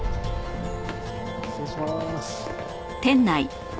失礼しまーす。